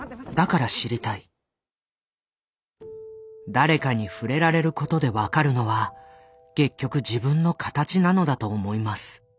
誰かに触れられることで分かるのは結局自分の形なのだと思います。